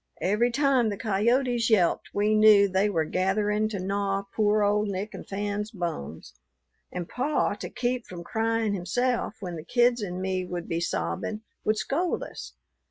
Every time the coyotes yelped we knew they were gathering to gnaw poor old Nick and Fan's bones. And pa, to keep from crying himself when the kids and me would be sobbin', would scold us.